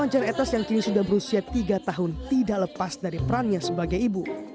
man etes yang kini sudah berusia tiga tahun tidak lepas dari perannya sebagai ibu